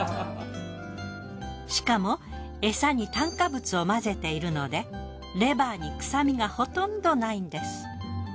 しかも餌に炭化物を混ぜているのでレバーに臭みがほとんどないんです。